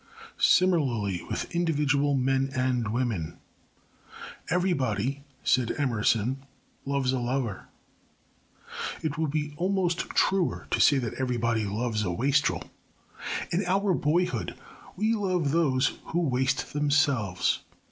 Similarly, with individual men and women. "Everybody," said Emerson, "loves a lover." It would be almost truer to say that everybody loves a wastrel. In our boyhood we love those who waste themselves.